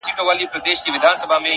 خپل ژوند له مانا ډک کړئ,